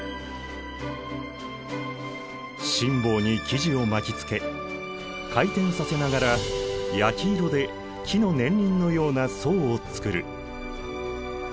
心棒に生地を巻きつけ回転させながら焼き色で木の年輪のような層を作る。